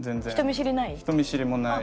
人見知りない？